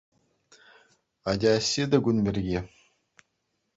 Атя, ҫитӗ кун пирки.